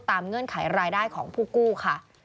เงื่อนไขรายได้ของผู้กู้ค่ะ